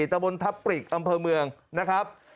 ตะบนทัพปริกอำเภอเมืองนะครับ